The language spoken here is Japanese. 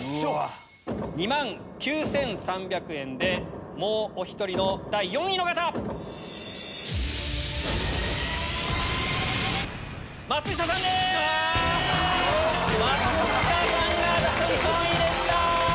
２万９３００円でもうお１人の第４位の方！え‼松下さんが第４位でした！